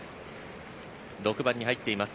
６番に入っています。